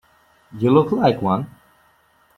You look like one.